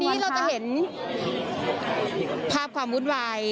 วันนี้เราจะเห็นภาพความวุ่นวาย